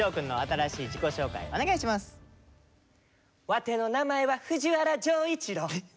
わての名前は藤原丈一郎。